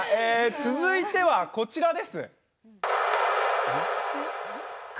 続いてはこちらです。